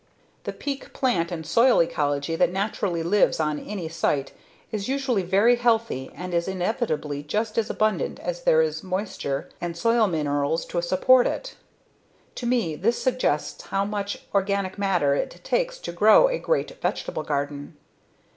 The peak plant and soil ecology that naturally lives on any site is usually very healthy and is inevitably just as abundant as there is moisture and soil minerals to support it. To me this suggests how much organic matter it takes to grow a great vegetable garden.